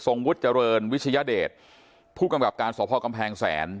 วุฒิเจริญวิชยเดชผู้กำกับการสพกำแพงแสน